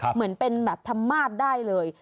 เหมือนเป็นแบบธรรมาศได้เลย